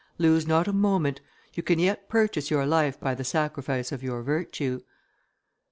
Lose not a moment; you can yet purchase your life by the sacrifice of your virtue."